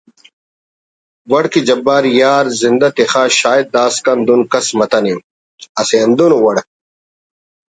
وڑ کہ جبار یار زندہ تخا شاید داسکان دن کَس متنے اسہ ہندن ءُ وڑ